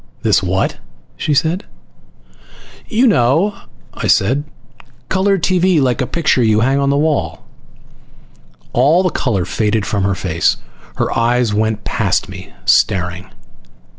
"This what?" she said. "You know," I said. "Color TV like a picture you hang on a wall." All the color faded from her face. Her eyes went past me, staring.